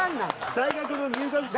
大学の入学式。